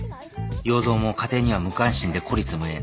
要造も家庭には無関心で孤立無援。